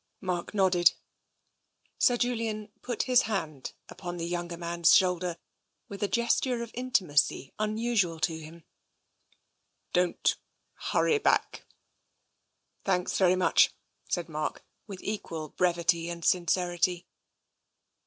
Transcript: Mark nodded. Sir Julian put his hand upon the younger man's shoulder with a gesture of intimacy unusual to him. " Don't hurry back." " Thanks very much," said Mark, with equal brevity and sincerity.